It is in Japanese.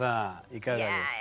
いかがですか？